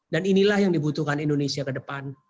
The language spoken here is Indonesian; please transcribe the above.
dan inilah yang dibutuhkan indonesia ke depan